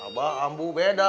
abah ambu beda